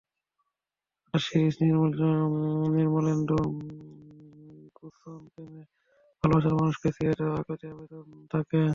—আকাশ series, Nirmalendu গুসণপ্রেমে পড়লে ভালোবাসার মানুষকে ছুঁয়ে দেওয়ার আকুতি আবেদন থাকে।